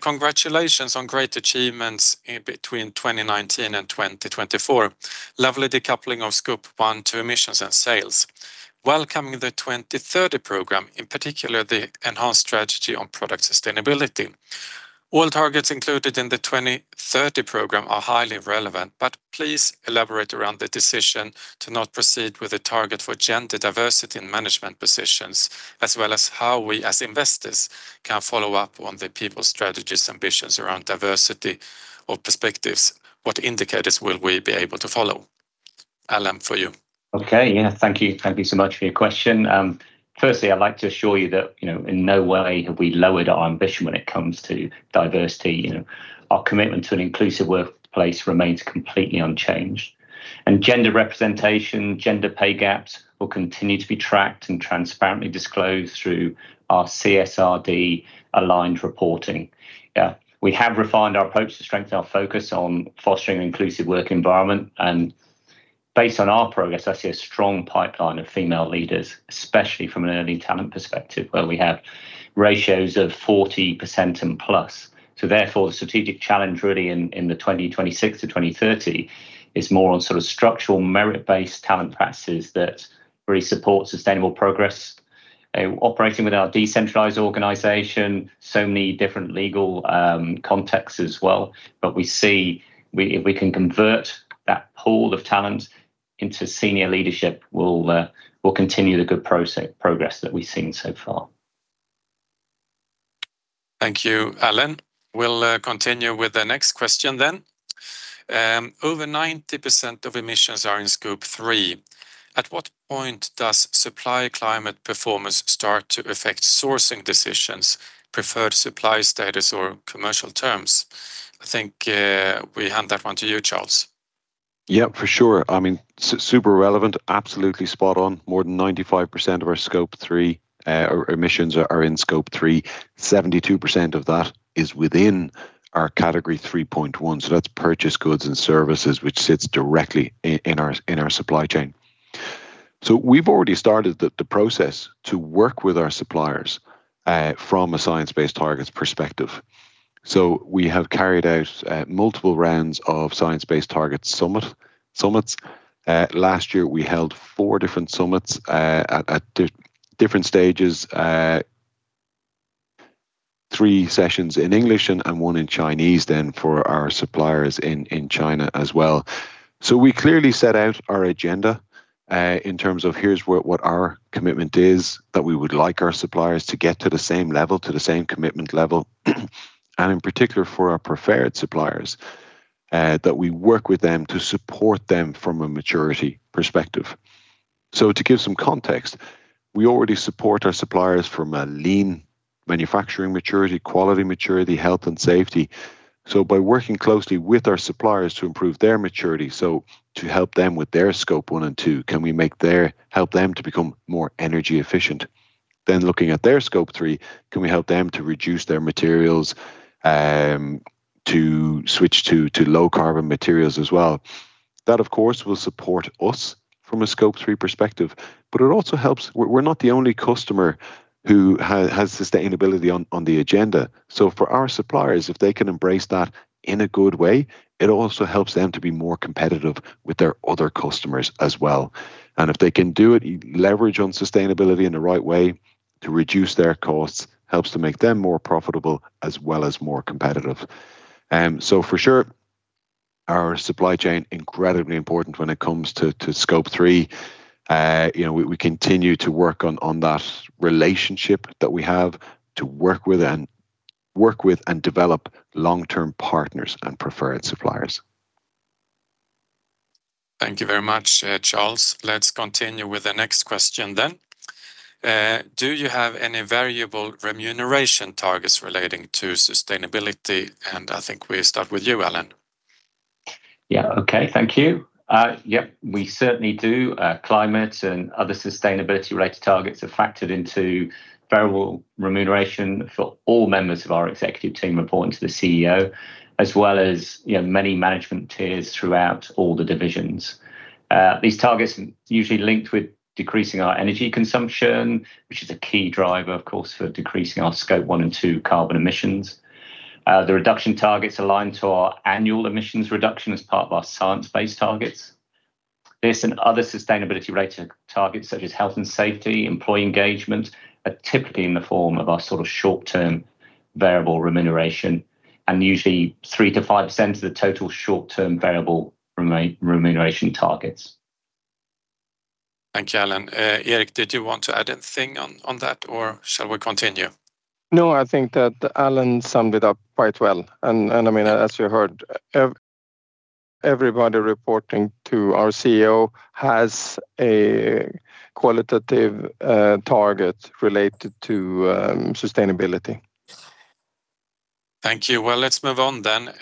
"Congratulations on great achievements in between 2019 and 2024. Lovely decoupling of Scope 1, 2 emissions and sales. Welcoming the 2030 program, in particular, the enhanced strategy on product sustainability. All targets included in the 2030 program are highly relevant. Please elaborate around the decision to not proceed with the target for gender diversity in management positions, as well as how we as investors can follow up on the people's strategies, ambitions around diversity of perspectives. What indicators will we be able to follow?" Allan, for you. Okay. Yeah. Thank you. Thank you so much for your question. Firstly, I'd like to assure you that, you know, in no way have we lowered our ambition when it comes to diversity. You know, our commitment to an inclusive workplace remains completely unchanged. Gender representation, gender pay gaps will continue to be tracked and transparently disclosed through our CSRD-aligned reporting. Yeah, we have refined our approach to strengthen our focus on fostering an inclusive work environment, and based on our progress, I see a strong pipeline of female leaders, especially from an early talent perspective, where we have ratios of 40% and plus. Therefore, the strategic challenge really in the 2026 to 2030 is more on sort of structural merit-based talent practices that really support sustainable progress, operating with our decentralized organization, so many different legal contexts as well. We see if we can convert that pool of talent. Into senior leadership will continue the good progress that we've seen so far. Thank you, Allan. We'll continue with the next question then. Over 90% of emissions are in Scope 3. At what point does supply climate performance start to affect sourcing decisions, preferred supply status or commercial terms? I think, we hand that one to you, Charles. Yeah, for sure. I mean, super relevant, absolutely spot on. More than 95% of our Scope 3 or emissions are in Scope 3. 72% of that is within our category 3.1, so that's purchased goods and services which sits directly in our supply chain. We've already started the process to work with our suppliers from a Science Based Targets perspective. We have carried out multiple rounds of Science Based Targets summits. Last year we held four different summits at different stages. Three sessions in English and 1 in Chinese then for our suppliers in China as well. We clearly set out our agenda in terms of here's what our commitment is, that we would like our suppliers to get to the same level, to the same commitment level. In particular for our preferred suppliers, that we work with them to support them from a maturity perspective. To give some context, we already support our suppliers from a lean manufacturing maturity, quality maturity, health and safety. By working closely with our suppliers to improve their maturity, to help them with their Scope 1 and 2, can we help them to become more energy efficient? Looking at their Scope 3, can we help them to reduce their materials, to switch to low carbon materials as well? That of course will support us from a Scope 3 perspective, but it also helps. We're not the only customer who has sustainability on the agenda. For our suppliers, if they can embrace that in a good way, it also helps them to be more competitive with their other customers as well. If they can do it, leverage on sustainability in the right way to reduce their costs, helps to make them more profitable as well as more competitive. For sure our supply chain incredibly important when it comes to Scope 3. You know, we continue to work on that relationship that we have to work with and develop long-term partners and preferred suppliers. Thank you very much, Charles. Let's continue with the next question then. Do you have any variable remuneration targets relating to sustainability? I think we start with you, Allan. Yeah. Okay. Thank you. Yep, we certainly do. Climate and other sustainability related targets are factored into variable remuneration for all members of our executive team reporting to the CEO, as well as, you know, many management tiers throughout all the divisions. These targets usually linked with decreasing our energy consumption, which is a key driver, of course, for decreasing our Scope 1 and 2 carbon emissions. The reduction targets aligned to our annual emissions reduction as part of our Science Based Targets. This and other sustainability related targets such as health and safety, employee engagement are typically in the form of our sort of short-term variable remuneration and usually 3%-5% of the total short-term variable remuneration targets. Thank you, Allan. Erik, did you want to add anything on that or shall we continue? No, I think that Allan summed it up quite well and I mean as you heard, everybody reporting to our CEO has a qualitative target related to sustainability. Thank you. Well, let's move on then.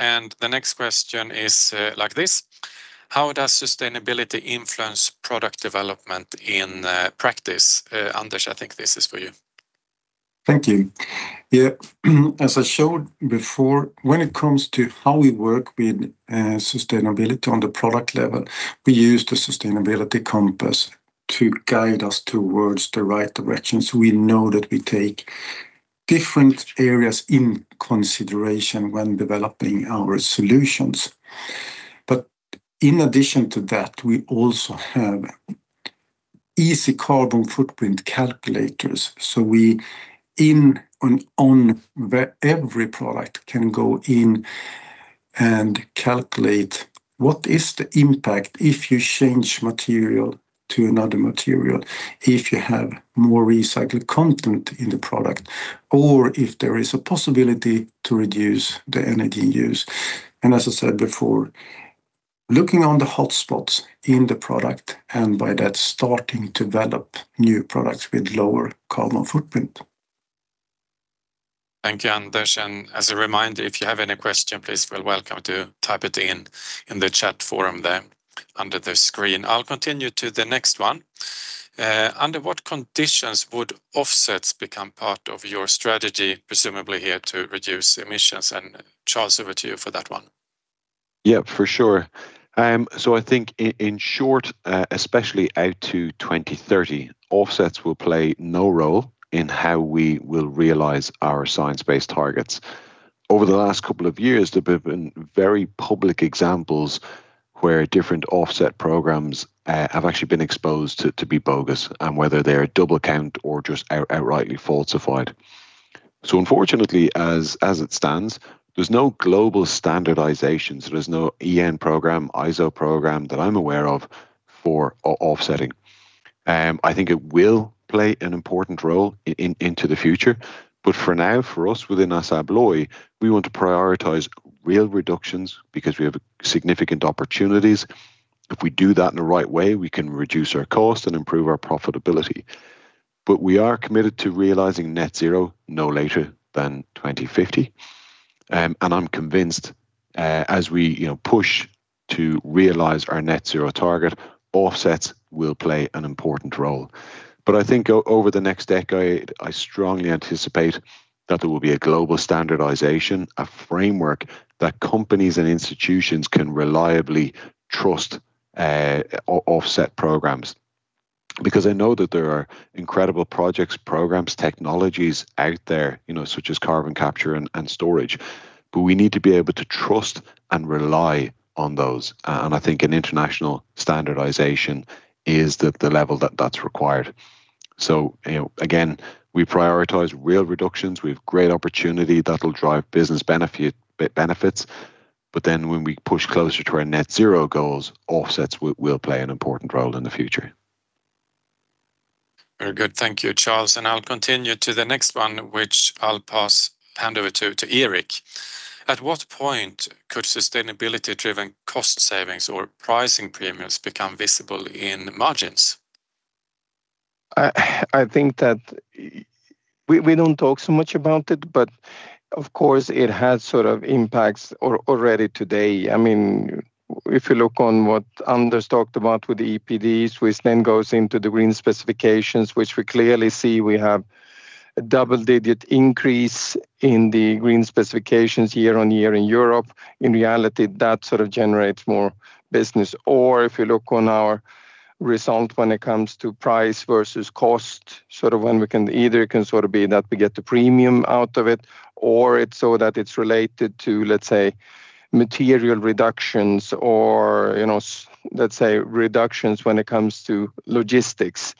The next question is, like this, how does sustainability influence product development in practice? Anders, I think this is for you. Thank you. Yeah. As I showed before, when it comes to how we work with sustainability on the product level, we use the Sustainability Compass to guide us towards the right directions. We know that we take different areas in consideration when developing our solutions. In addition to that, we also have easy carbon footprint calculators. We on every product can go in and calculate what is the impact if you change material to another material, if you have more recycled content in the product, or if there is a possibility to reduce the energy use. As I said before, looking on the hotspots in the product and by that starting to develop new products with lower carbon footprint. Thank you, Anders. As a reminder, if you have any question, please feel welcome to type it in in the chat forum there under the screen. I'll continue to the next one. Under what conditions would offsets become part of your strategy, presumably here to reduce emissions? Charles, over to you for that one. Yeah, for sure. I think in short, especially out to 2030, offsets will play no role in how we will realize our Science Based Targets. Over the last couple of years, there have been very public examples where different offset programs have actually been exposed to be bogus, whether they're double count or just outright falsified. Unfortunately, as it stands, there's no global standardization. There's no EN program, ISO program that I'm aware of for offsetting. I think it will play an important role into the future, but for now, for us within ASSA ABLOY, we want to prioritize real reductions because we have significant opportunities. If we do that in the right way, we can reduce our cost and improve our profitability. We are committed to realizing net zero no later than 2050. I'm convinced, as we, you know, push to realize our net zero target, offsets will play an important role. But I think over the next decade, I strongly anticipate that there will be a global standardization, a framework that companies and institutions can reliably trust, offset programs. Because I know that there are incredible projects, programs, technologies out there, you know, such as carbon capture and storage, but we need to be able to trust and rely on those. I think an international standardization is the level that that's required. You know, again, we prioritize real reductions. We have great opportunity that'll drive business benefits, but then when we push closer to our net zero goals, offsets will play an important role in the future. Very good. Thank you, Charles, and I'll continue to the next one, which I'll hand over to Erik. At what point could sustainability-driven cost savings or pricing premiums become visible in margins? I think that we don't talk so much about it, but of course it has sort of impacts already today. I mean, if you look on what Anders talked about with the EPDs, which then goes into the green specifications, which we clearly see we have a double-digit increase in the green specifications year-on-year in Europe. In reality, that sort of generates more business. Or if you look on our result when it comes to price versus cost, sort of when we can either sort of be that we get the premium out of it or it's so that it's related to, let's say, material reductions or, you know, let's say reductions when it comes to logistics.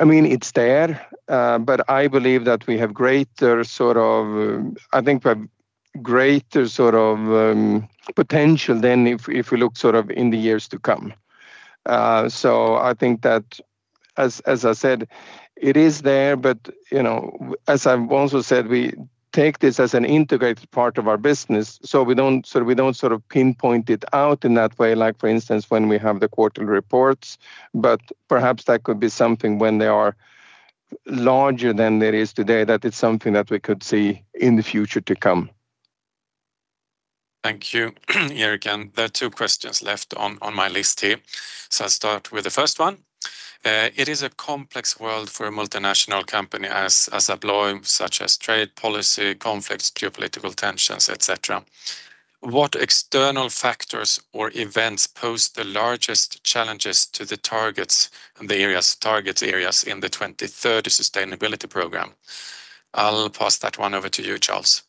I mean, it's there, but I believe that we have greater potential than if you look sort of in the years to come. I think that as I said, it is there, but you know, as I've also said, we take this as an integrated part of our business, so we don't sort of pinpoint it out in that way, like for instance, when we have the quarterly reports, but perhaps that could be something when they are larger than there is today, that it's something that we could see in the future to come. Thank you, Erik. There are two questions left on my list here. I'll start with the first one. It is a complex world for a multinational company, ASSA ABLOY, such as trade policy, conflicts, geopolitical tensions, et cetera. What external factors or events pose the largest challenges to the targets and target areas in the 2030 sustainability program? I'll pass that one over to you, Charles.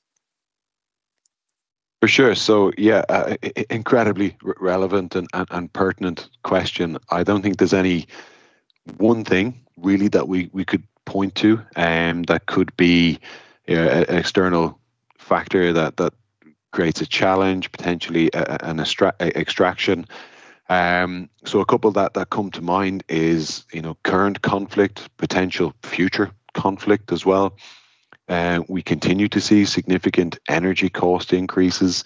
For sure. Yeah, incredibly relevant and pertinent question. I don't think there's any one thing really that we could point to that could be an external factor that creates a challenge, potentially a distraction. A couple that come to mind is, you know, current conflict, potential future conflict as well. We continue to see significant energy cost increases.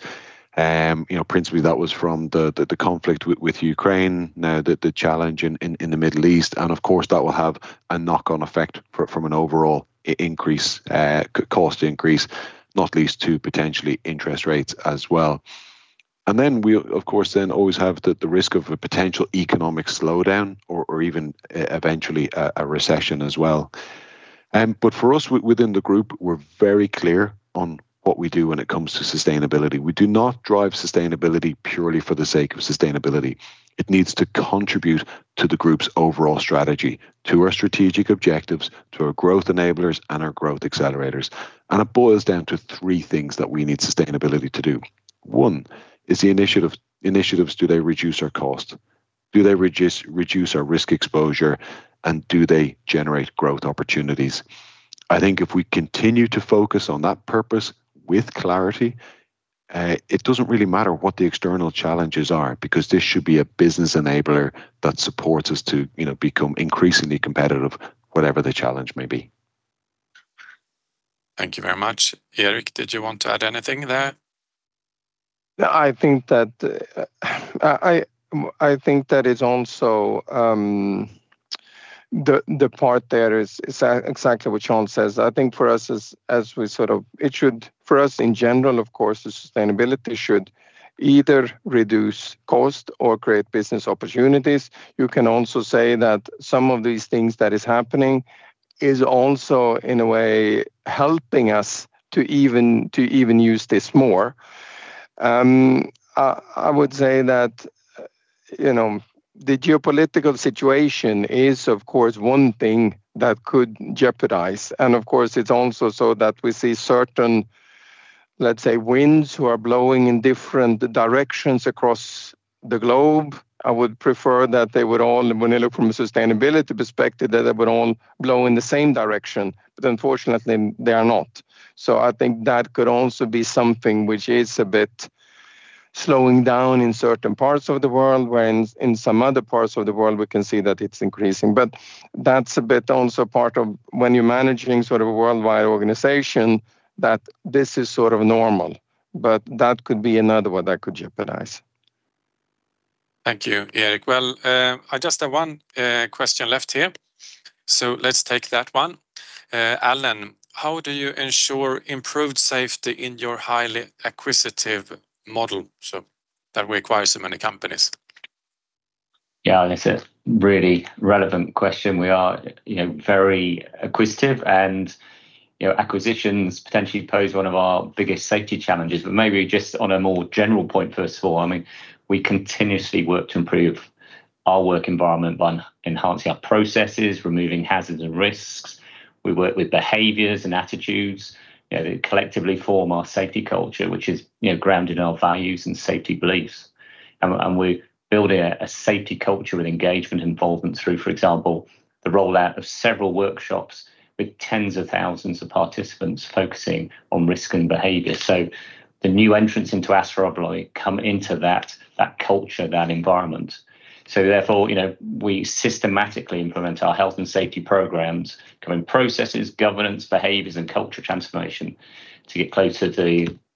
You know, principally that was from the conflict with Ukraine. Now the challenge in the Middle East, and of course that will have a knock on effect from an overall increase, cost increase, not least to potentially interest rates as well. We of course always have the risk of a potential economic slowdown or even eventually a recession as well. For us within the group, we're very clear on what we do when it comes to sustainability. We do not drive sustainability purely for the sake of sustainability. It needs to contribute to the group's overall strategy, to our strategic objectives, to our growth enablers, and our growth accelerators. It boils down to three things that we need sustainability to do. One is, initiatives, do they reduce our cost? Do they reduce our risk exposure, and do they generate growth opportunities? I think if we continue to focus on that purpose with clarity, it doesn't really matter what the external challenges are because this should be a business enabler that supports us to, you know, become increasingly competitive, whatever the challenge may be. Thank you very much. Erik, did you want to add anything there? I think that is also the part that is exactly what Charles says. I think for us, it should for us in general, of course, the sustainability should either reduce cost or create business opportunities. You can also say that some of these things that is happening is also in a way helping us to even use this more. I would say that, you know, the geopolitical situation is of course one thing that could jeopardize, and of course, it's also so that we see certain, let's say, winds who are blowing in different directions across the globe. I would prefer that they would all, when they look from a sustainability perspective, that they would all blow in the same direction. Unfortunately, they are not. I think that could also be something which is a bit slowing down in certain parts of the world, when in some other parts of the world, we can see that it's increasing. That's a bit also part of when you're managing sort of a worldwide organization, that this is sort of normal, but that could be another one that could jeopardize. Thank you, Erik. Well, I just have one question left here, so let's take that one. Allan, how do you ensure improved safety in your highly acquisitive model, so that requires so many companies? Yeah. It's a really relevant question. We are, you know, very acquisitive and, you know, acquisitions potentially pose one of our biggest safety challenges. Maybe just on a more general point, first of all, I mean, we continuously work to improve our work environment by enhancing our processes, removing hazards and risks. We work with behaviors and attitudes, you know, that collectively form our safety culture, which is, you know, grounded in our values and safety beliefs. We build a safety culture with engagement involvement through, for example, the rollout of several workshops with tens of thousands of participants focusing on risk and behavior. The new entrants into ASSA ABLOY come into that culture, that environment. Therefore, you know, we systematically implement our health and safety programs, government processes, governance, behaviors, and culture transformation to get closer to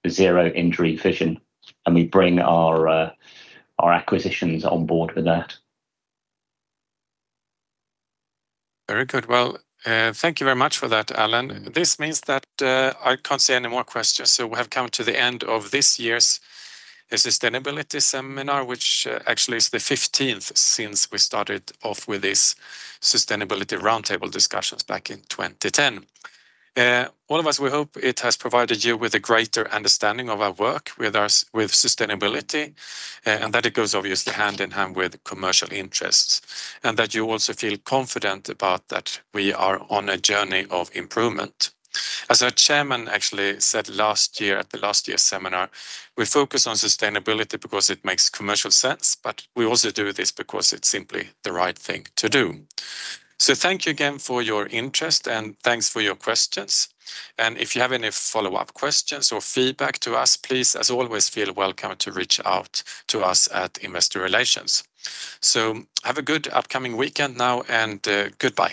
the zero injury vision, and we bring our acquisitions on board with that. Very good. Well, thank you very much for that, Allan. This means that, I can't see any more questions. We have come to the end of this year's sustainability seminar, which actually is the fifteenth since we started off with this sustainability roundtable discussions back in 2010. All of us, we hope it has provided you with a greater understanding of our work with sustainability, and that it goes obviously hand in hand with commercial interests, and that you also feel confident about that we are on a journey of improvement. As our chairman actually said last year at the last year's seminar, "We focus on sustainability because it makes commercial sense, but we also do this because it's simply the right thing to do." Thank you again for your interest, and thanks for your questions. If you have any follow-up questions or feedback to us, please, as always, feel welcome to reach out to us at Investor Relations. Have a good upcoming weekend now, and goodbye.